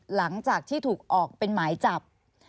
หลังจากที่ถูกออกเป็นหมายจับ